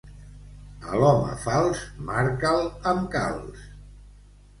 A l'home fals, marca'l amb calç.